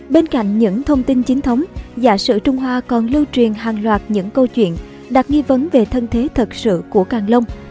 bên cạnh những thông tin chính thống giả sử trung hoa còn lưu truyền hàng loạt những câu chuyện đặt nghi vấn về thân thế thật sự của càng long